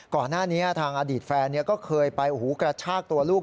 ก่อนหน้านี้ทางอดีตแฟนก็เคยไปกระชากตัวลูก